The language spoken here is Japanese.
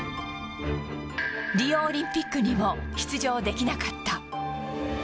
リオオリンピックにも出場できなかった。